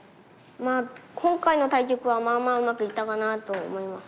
まあ今回の対局はまあまあうまくいったかなと思います。